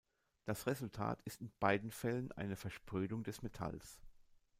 Das Resultat ist in beiden Fällen eine Versprödung des Metalls.